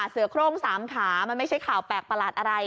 เสือโครง๓ขามันไม่ใช่ข่าวแปลกประหลาดอะไร